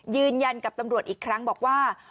ยืนยันกับตำรวจอีกครั้งบอกว่า